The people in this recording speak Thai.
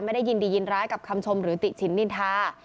ไม่ได้ยินดียินร้ายกับคำชมหรือติฉินนินทา